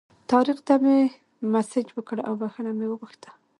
طارق ته مې مسیج وکړ او بخښنه مې وغوښته.